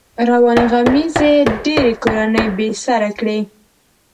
روانې غمېزې ډېری کورنۍ بې سره کړې.